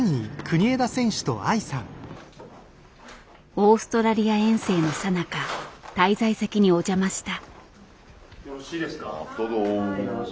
オーストラリア遠征のさなか滞在先にお邪魔した。